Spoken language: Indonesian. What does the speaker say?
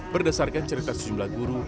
berdasarkan cerita sejumlah guru